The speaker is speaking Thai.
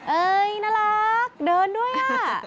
เอ๊ยน่ารักเดินด้วยอ่ะ